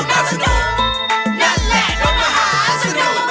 นั่นแหละรถมหาสนุก